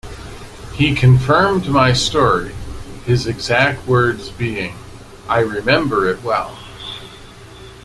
He confirmed my story, his exact words being 'I remember it well.